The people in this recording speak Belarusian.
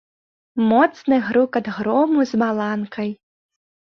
Моцны грукат грому з маланкай.